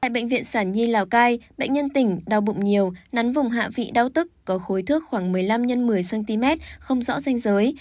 tại bệnh viện sản nhi lào cai bệnh nhân tỉnh đau bụng nhiều nắn vùng hạ vị đau tức có khối thước khoảng một mươi năm x một mươi cm không rõ danh giới